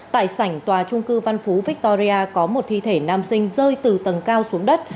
tại sảnh tòa trung cư văn phú victoria có một thi thể nam sinh rơi từ tầng cao xuống đất